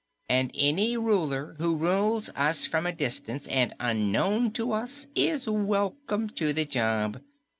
And any Ruler who rules us from a distance and unknown to us is welcome to the job.